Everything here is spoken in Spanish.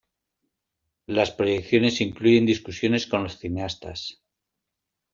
Las proyecciones incluyen discusiones con los cineastas.